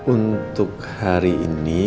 untuk hari ini